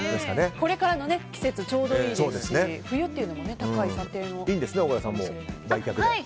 これからの季節ちょうどいいですし冬というのも高い査定のポイントかもですね。